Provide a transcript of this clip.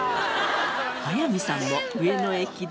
早見さんも上野駅で。